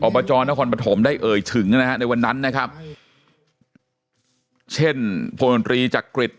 บจนครปฐมได้เอ่ยถึงนะฮะในวันนั้นนะครับเช่นพลมนตรีจักริต